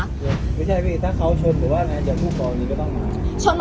ววไม่ใช่พี่ถ้าเขาชนหรือว่าอะไรแต่ผู้ปลอดภัยนี้ก็ต้องมา